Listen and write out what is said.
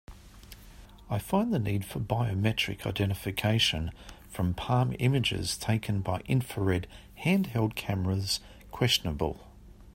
I find the need for biometric identification from palm images taken by infrared handheld camera questionable.